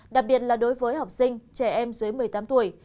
đặc biệt là đối với học sinh trẻ em dưới một mươi tám tuổi